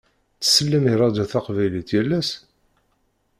Tsellem i ṛṛadio taqbaylit yal ass?